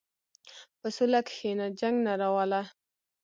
په سوله کښېنه، جنګ نه راوله.